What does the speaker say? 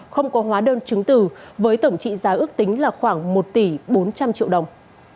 không có hóa đơn chứng tử với tổng trị giá ước tính là khoảng một tỷ bốn trăm linh triệu đồng